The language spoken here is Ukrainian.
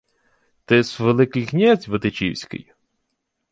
— Ти-с Великий князь витичівський.